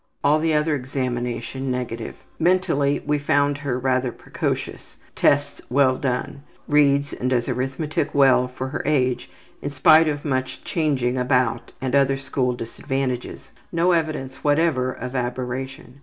All the other examination negative. Mentally we found her rather precocious. Tests well done. Reads and does arithmetic well for her age, in spite of much changing about and other school disadvantages. No evidence whatever of aberration.